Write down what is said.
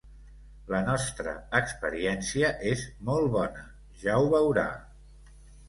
La nostra experiència és molt bona, ja ho veurà.